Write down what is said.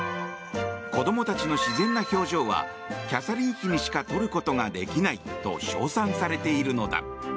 子供たちの自然な表情はキャサリン妃にしか撮ることができないと称賛されているのだ。